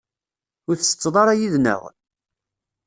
Ur tsetteḍ ara yid-nneɣ?